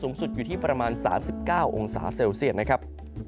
สูงสุดอยู่ที่ประมาณ๓๙องศาเซลเซียตนะครับ